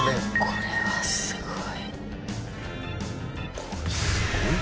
これはすごい。